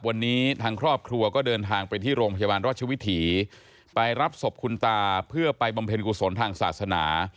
วันนี้ทางครอบครัวก็เดินทางไปที่โรงพยาบาลราชวิถีไปรับศพคุณตาเพื่อไปบำเพ็ญกุศลทางศาสนา